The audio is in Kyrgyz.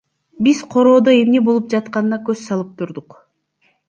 Биз короодо эмне болуп жатканына көз салып турдук.